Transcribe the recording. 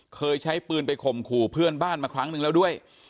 เคยใช้ปืนไปข่มขู่เพื่อนบ้านมาครั้งนึงแล้วด้วย